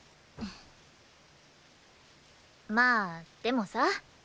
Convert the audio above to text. まあでもさ。